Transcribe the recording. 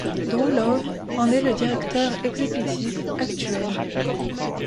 Drew Love en est le directeur executif actuel.